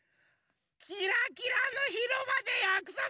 キラキラのひろばでやくそくしてたんだ！